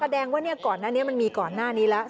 แสดงว่าก่อนหน้านี้มันมีก่อนหน้านี้แล้ว